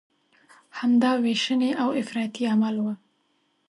همدا ویشنې او افراطي عمل و.